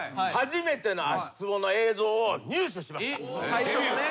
最初のね。